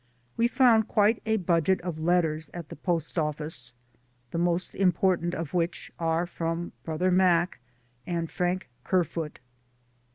We found quite a budget of letters at the post office, the most important of which are from brother Mac and Frank Kerfoot.